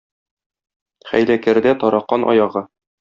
Хәйләкәрдә таракан аягы.